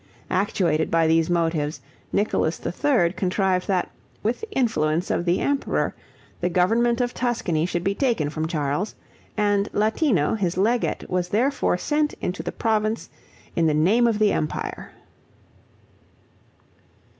Actuated by these motives, Nicholas III. contrived that, with the influence of the emperor, the government of Tuscany should be taken from Charles, and Latino his legate was therefore sent into the province in the name of the empire.